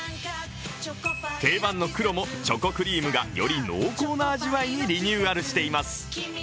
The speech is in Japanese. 定番の黒もチョコクリームがより濃厚な味わいにリニューアルしています。